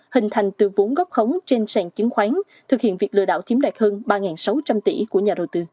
hình thành từ vốn gốc khống trên sàn chứng khoán thực hiện việc lừa đảo chiếm đoạt hơn ba sáu trăm linh tỷ của nhà đầu tư